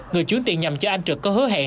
người chuyển tiền nhằm cho anh trực có hứa hẹn